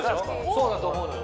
そうだと思うのよ